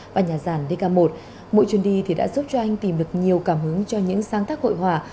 và nhà giảng dk một mỗi chuyến đi thì đã giúp cho anh tìm được nhiều cảm hứng cho những sáng tác hội họa